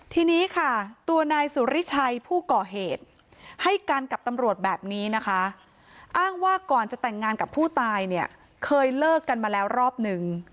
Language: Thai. ทีนี้ค่ะตัวนายสุริชัยผู้ก่อเหตุให้กันกับตำรวจแบบนี้นะคะอ้างว่าก่อนจะแต่งงานกับผู้ตายเนี่ยเคยเลิกกันมาแล้วรอบนึง